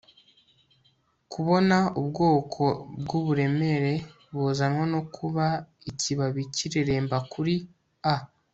kubona. ubwoko bw'uburemere buzanwa no kuba ikibabi kireremba kuri a